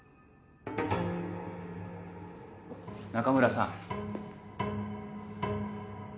中村さん。